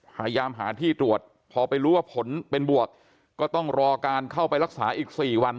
พยายามหาที่ตรวจพอไปรู้ว่าผลเป็นบวกก็ต้องรอการเข้าไปรักษาอีก๔วัน